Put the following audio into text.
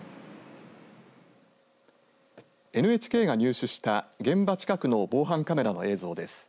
ＮＨＫが入手した現場近くの防犯カメラの映像です。